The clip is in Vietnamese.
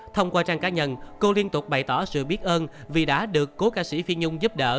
thông qua trang cá nhân cô liên tục bày tỏ sự biết ơn vì đã được cố ca sĩ phi nhung giúp đỡ